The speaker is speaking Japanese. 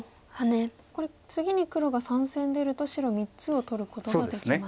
これ次に黒が３線出ると白３つを取ることができます。